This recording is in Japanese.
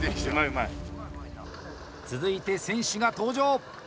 続いて、選手が登場。